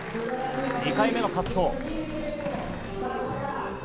２回目の滑走。